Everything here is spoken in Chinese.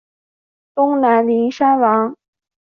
东南邻山王。